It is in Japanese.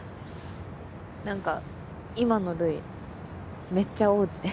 何か今のルイめっちゃ王子で。